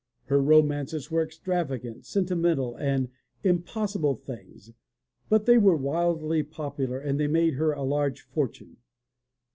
Her romances were extravagant, sentimental and impos sible things but they were wildly popular and they made her a large fortune.